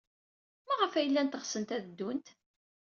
Maɣef ay llant ɣsent ad ddunt?